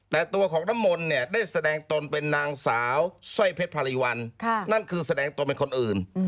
แต่ตัวของน้ำมนต์เนี่ยได้แสดงตนเป็นนางสาวสร้อยเพชรพารีวัลนั่นคือแสดงตนเป็นคนอื่น